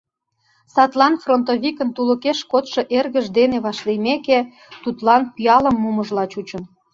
Садлан фронтовикын тулыкеш кодшо эргыж дене вашлиймеке, тудлан пиалым мумыжла чучын.